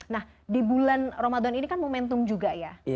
nah di bulan ramadan ini kan momentum juga ya